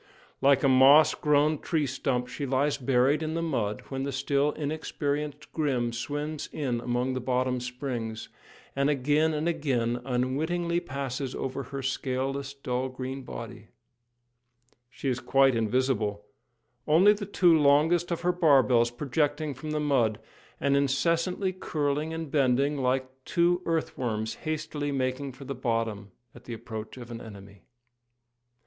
Like a moss grown tree stump she lies buried in the mud when the still inexperienced Grim swims in among the bottom springs, and again and again unwittingly passes over her scaleless, dull green body. She is quite invisible, only the two longest of her barbels projecting from the mud, and incessantly curling and bending like two earth worms hastily making for the bottom at the approach of an enemy.